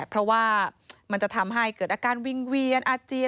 เพราะว่ามันจะทำให้เกิดอาการวิงเวียนอาเจียน